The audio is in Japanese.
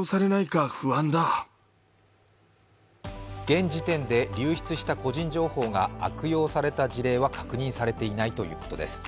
現時点で、流出した個人情報が悪用された事例は確認されていないということです。